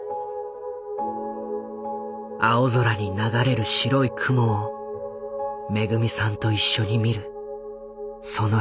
青空に流れる白い雲をめぐみさんと一緒に見るその日まで。